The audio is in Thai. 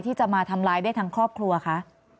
ที่จะมาทำร้ายได้ทั้งครอบครัวคะ